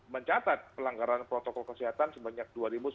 mencatat pelanggaran protokol kesehatan sebanyak dua satu ratus dua puluh enam